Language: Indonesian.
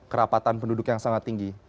kerapatan penduduk yang sangat tinggi